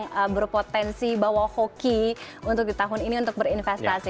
misalnya misalnya kita yang berpotensi bawa hoki untuk di tahun ini untuk berinvestasi